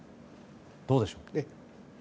どうでしょう？